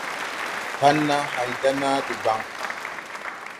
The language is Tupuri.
Pan naa hay da naa debaŋ.